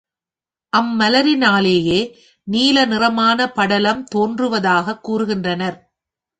அம்மலரினாலேயே நீல நிறமான படலம் தோன்றுவதாகக் கூறுகின்றனர்.